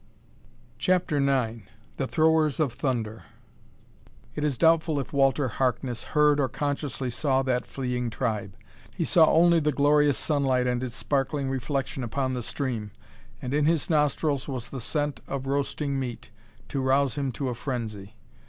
CHAPTER IX The Throwers of Thunder It is doubtful if Walter Harkness heard or consciously saw that fleeing tribe. He saw only the glorious sunlight and its sparkling reflection upon the stream; and in his nostrils was the scent of roasting meat to rouse him to a frenzy.